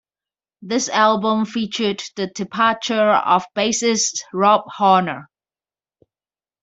This album featured the departure of bassist Rob Horner.